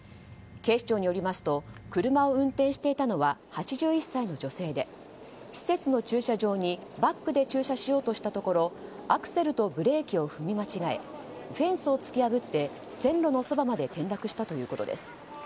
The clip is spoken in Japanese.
警視庁によりますと車を運転していたのは８１歳の女性で施設の駐車場にバックで駐車しようとしたところアクセルとブレーキを踏み間違えフェンスを突き破って線路のそばまで転落したということです。